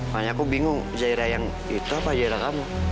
makanya aku bingung zaira yang itu apa zaira kamu